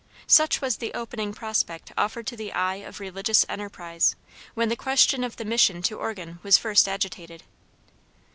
Such was the opening prospect offered to the eye of religious enterprise, when the question of the mission to Oregon was first agitated.